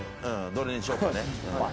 どれにしようかね。